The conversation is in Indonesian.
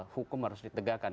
hukum harus ditegakkan